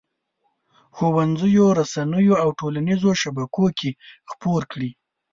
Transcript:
ښوونځیو، رسنیو او ټولنیزو شبکو کې خپور کړي.